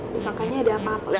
disangkanya ada apa apa